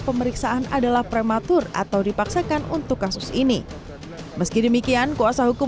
pemeriksaan adalah prematur atau dipaksakan untuk kasus ini meski demikian kuasa hukum